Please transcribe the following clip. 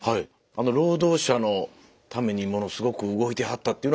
労働者のためにものすごく動いてはったっていうのはご存じでしたか。